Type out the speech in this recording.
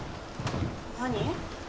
何？